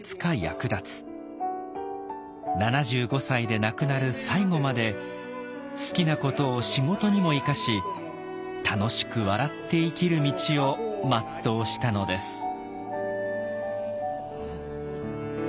７５歳で亡くなる最後まで好きなことを仕事にも生かし楽しく笑って生きる道を全うしたのです。